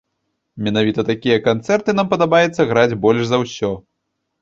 Менавіта такія канцэрты нам падабаецца граць больш за ўсё.